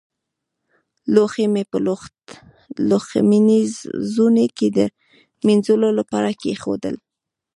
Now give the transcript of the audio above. لوښي مې په لوښمینځوني کې د مينځلو لپاره کېښودل.